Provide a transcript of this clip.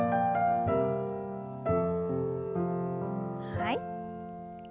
はい。